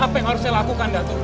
apa yang harus saya lakukan